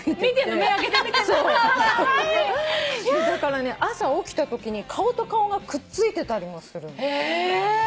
だからね朝起きたときに顔と顔がくっついてたりもする。